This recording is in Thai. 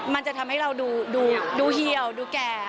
มันจะทำให้เราดูเหี่ยวดูแก่